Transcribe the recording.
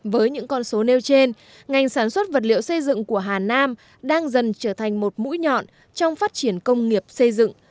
với những con số nêu trên ngành sản xuất vật liệu xây dựng của hà nam đang dần trở thành một mũi nhọn trong phát triển công nghiệp xây dựng